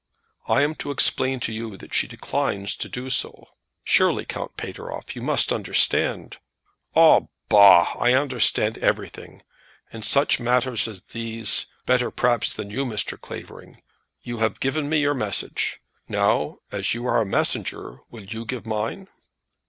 "I am to explain to you that she declines to do so. Surely, Count Pateroff, you must understand " "Ah, bah; I understand everything; in such matters as these, better, perhaps, than you, Mr. Clavering. You have given your message. Now, as you are a messenger, will you give mine?"